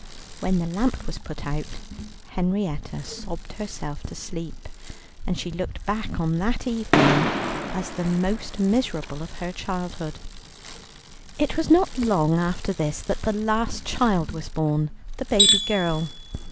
When the lamp was put out, Henrietta sobbed herself to sleep, and she looked back on that evening as the most miserable of her childhood. It was not long after this that the last child was born, the baby girl.